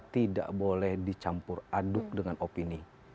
tidak boleh dicampur aduk dengan opini